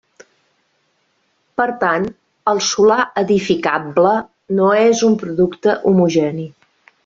Per tant, el solar edificable no és un producte homogeni.